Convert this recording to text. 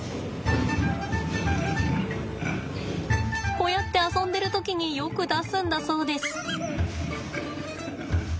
こうやって遊んでる時によく出すんだそうです。